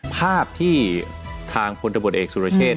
ภาพที่ทางพลตบทเอกสุรเชษฐ์